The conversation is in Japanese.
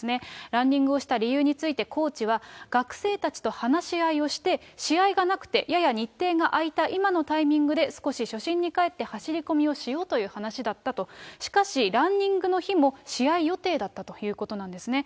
ランニングをした理由についてコーチは、学生たちと話し合いをして、試合がなくて、やや日程があいた今のタイミングで、少し初心に返って走り込みをしようという話だったと、しかし、ランニングの日も試合予定だったということなんですね。